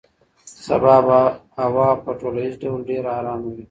سبا به هوا په ټولیز ډول ډېره ارامه وي.